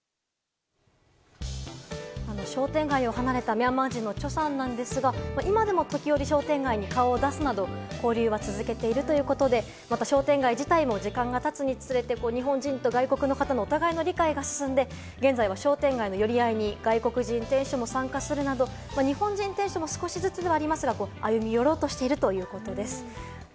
商店街を離れたミャンマー人のチョさんなんですが、今でも時折、商店街に顔を出すなど、交流は続いているということで、商店街自体も時間が経つにつれて、日本人と外国の方のお互いの理解が進んで現在は商店街の寄り合いに外国人店主も参加するなど、日本人店主も少しずつではありますが歩み寄ろうとしているということです。